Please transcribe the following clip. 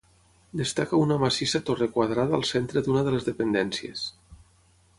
Destaca una massissa torre quadrada al centre d'una de les dependències.